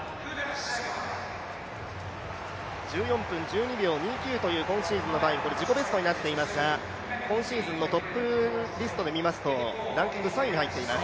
１４分１２秒２９というタイム、自己ベストになっていますが、今シーズンのトップリストで見ますと、ランキング３位に入っています。